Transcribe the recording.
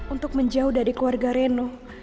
untuk menjauh dari keluarga reno